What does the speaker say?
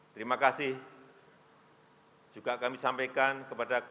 terima kasih juga kami sampaikan kepada kami